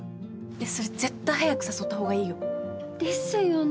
それ絶対早く誘った方がいいよ。ですよね。